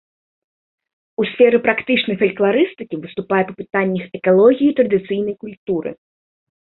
У сферы практычнай фалькларыстыкі выступае па пытаннях экалогіі традыцыйнай культуры.